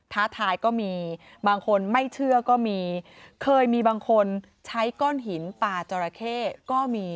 ท้าทายก็มีบางคนไม่เชื่อก็มีเคยมีบางคนใช้ก้อนหินปลาจอราเข้ก็มี